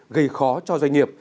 gây khó cho doanh nghiệp